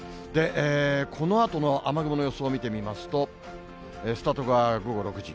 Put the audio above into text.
このあとの雨雲の様子を見てみますと、スタートが午後６時。